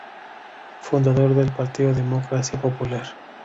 Fundador del partido Democracia Popular.